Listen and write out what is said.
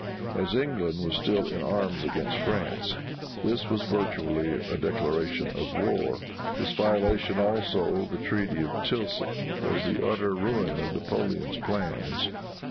As England was still in arms against France, this was virtually a declaration of war. This violation also of the treaty of Tilsit was the utter ruin of Napoleon's plans.